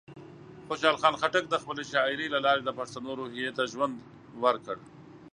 خوشحال خان خټک د خپلې شاعرۍ له لارې د پښتنو روحیه ته ژوند ورکړ.